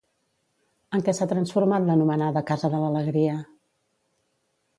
En què s'ha transformat l'anomenada casa de l'alegria?